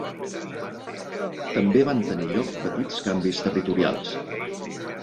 També van tenir lloc petits canvis territorials.